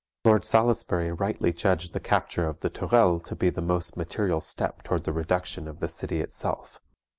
Lord Salisbury rightly judged the capture of the Tourelles to be the most material step towards the reduction of the city itself.